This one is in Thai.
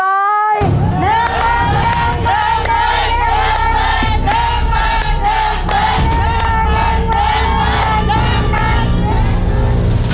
ต่อเร็วครับ